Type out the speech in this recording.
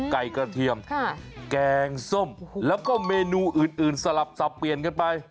กระเทียมแกงส้มแล้วก็เมนูอื่นสลับสับเปลี่ยนกันไป